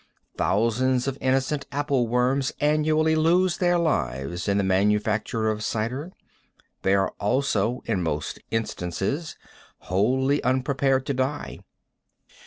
Thousands of innocent apple worms annually lose their lives in the manufacture of cider. They are also, in most instances, wholly unprepared to die.